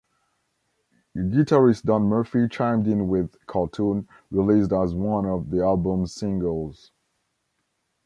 Guitarist Dan Murphy chimed in with "Cartoon," released as one of the album's singles.